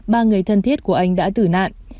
ba người thân thiết của anh đã tử nạn